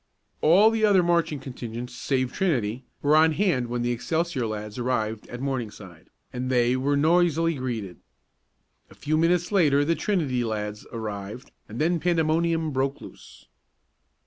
All the other marching contingents save Trinity were on hand when the Excelsior lads arrived at Morningside, and they were noisily greeted. A few minutes later the Trinity lads arrived and then pandemonium broke loose.